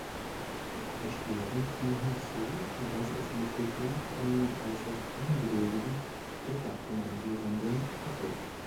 Erschwerend kam hinzu, dass es mit Hitler einen äußerst ungeduldigen Oberkommandierenden hatte.